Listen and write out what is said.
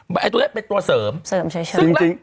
แต่ตัวนี้เป็นตัวเสริมซึ่งแล้วเสริมเฉย